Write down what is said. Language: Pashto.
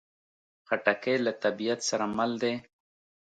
خټکی له طبیعت سره مل دی.